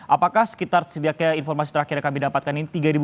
apakah sekitar setidaknya informasi terakhir yang kami dapatkan ini